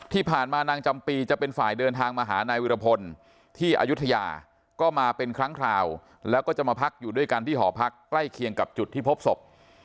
ที่ผ่านมานางจำปีจะเป็นฝ่ายเดินทางมาหานายวิรพลที่อายุทยาก็มาเป็นครั้งคราวแล้วก็จะมาพักอยู่ด้วยกันที่หอพักใกล้เคียงกับจุดที่พบศพ